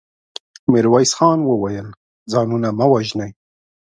ميرويس خان وويل: ځانونه مه وژنئ.